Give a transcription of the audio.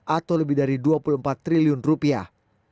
atau lebih dari dua puluh empat triliun rupiah